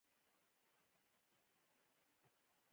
په دې لوست کې به د دې هېواد معاصر تاریخ وڅېړو.